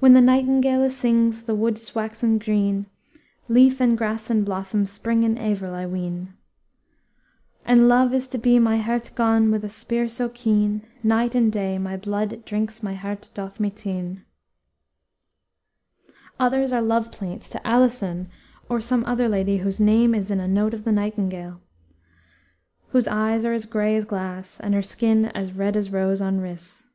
"When the nightingalë sings the woodës waxen green Leaf and grass and blossom spring in Averil, I ween, And love is to my hertë gone with a spear so keen, Night and day my blood it drinks my hertë doth me tene." Others are love plaints to "Alysoun" or some other lady whose "name is in a note of the nightingale;" whose eyes are as gray as glass, and her skin as "red as rose on ris."